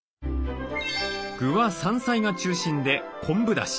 具は山菜が中心で昆布だし。